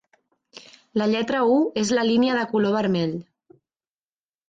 La lletra u és la línia de color vermell.